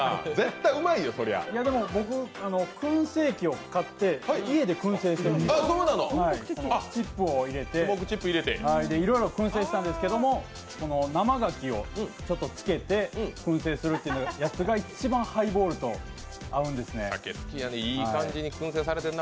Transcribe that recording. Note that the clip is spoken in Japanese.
僕、くん製機を買って、家でくん製してます。チップを入れて、いろいろくん製したんですけど生がきをつけてくん製するのが一番ハイボールと合うんですね。